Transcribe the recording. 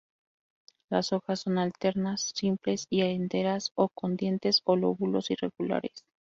Las hojas son alternas, simples y enteras o con dientes o lóbulos irregulares.